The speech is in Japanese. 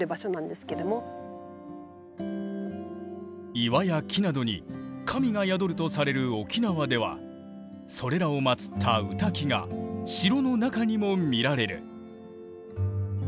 岩や木などに神が宿るとされる沖縄ではそれらを祀った御嶽が城の中にも見られる。